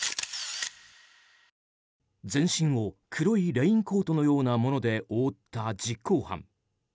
全身を黒いレインコートのようなもので覆った実行犯。